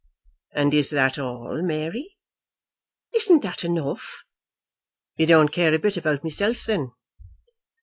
"And is that all, Mary?" "Isn't that enough?" "You don't care a bit about myself, then?"